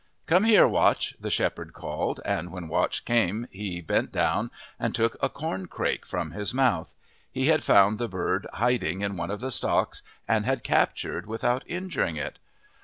"Come here, Watch," the shepherd called, and when Watch came he bent down and took a corncrake from his mouth. He had found the bird hiding in one of the stocks and had captured without injuring it.